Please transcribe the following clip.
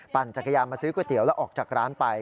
จักรยานมาซื้อก๋วยเตี๋ยวแล้วออกจากร้านไป